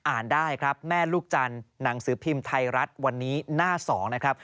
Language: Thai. อ่านได้ครับแม่ลูกจันทร์หนังสือพิมพ์ไทยรัฐวันนี้หน้า๒นะครับ